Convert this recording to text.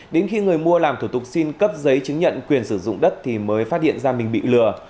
đến khi người mua làm thủ tục xin cấp giấy chứng nhận quyền sử dụng đất thì mới phát hiện ra mình bị lừa